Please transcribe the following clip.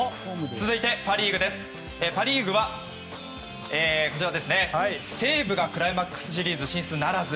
続いてパ・リーグは西武がクライマックスシリーズ進出ならず。